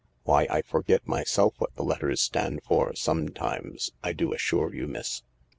Why, I forget myself what the letters stand for sometimes, I do assure you, miss."